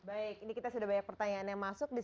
baik ini kita sudah banyak pertanyaan yang masuk